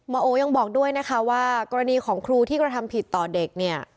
โอยังบอกด้วยนะคะว่ากรณีของครูที่กระทำผิดต่อเด็กเนี่ย